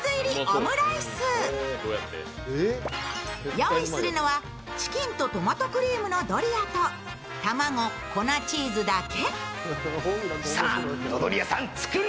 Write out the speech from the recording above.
用意するのはチキンとトマトクリームのドリアと卵、粉チーズだけ。